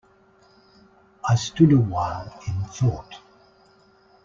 I stood awhile in thought.